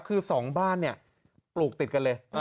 คือสองบ้านเนี้ยปลูกติดกันเลยอ่า